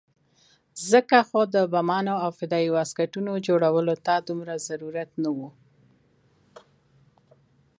ځکه خو د بمانو او فدايي واسکټونو جوړولو ته دومره ضرورت نه وو.